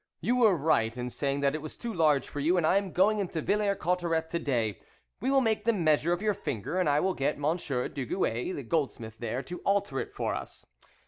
You were right in saying that it was too large for you, and I am going into Villers Cotterets to day, we will take the measure of your finger, and I will get Monsieur Dugu6, the gold smith there, to alter it for us."